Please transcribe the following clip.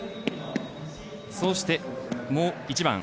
そして、もう一番。